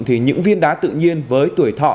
thì những viên đá tự nhiên với tuổi thọ